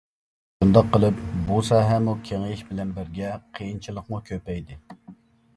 شۇنداق قىلىپ، بۇ ساھەمۇ كېڭىيىش بىلەن بىرگە قىيىنچىلىقمۇ كۆپەيدى.